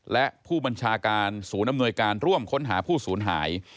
และผู้บัญชาการศูนย์อำนวยการร่วมค้นหาผู้สูญหาย